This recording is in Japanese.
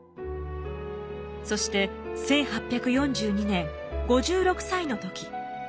そして１８４２年５６歳の時。